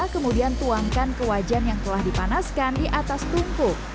kemudian tuangkan ke wajan yang telah dipanaskan di atas tungkuk